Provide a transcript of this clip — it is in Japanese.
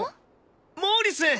モーリス！